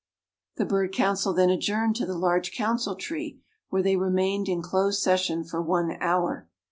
The bird council then adjourned to the large council tree where they remained in closed session for one hour.